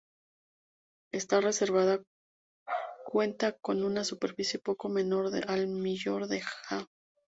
Esta reserva cuenta con una superficie poco menor al millón de ha.